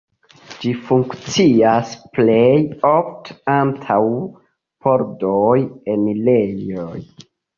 Ĝi funkcias plej ofte antaŭ pordoj, enirejoj.